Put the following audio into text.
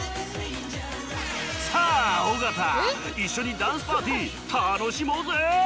さあ尾形一緒にダンスパーティー楽しもうぜ！